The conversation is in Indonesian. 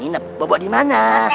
hinap bapak dimana